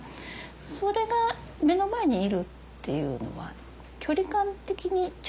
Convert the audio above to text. それが目の前にいるっていうのは距離感的にちょうどいいです。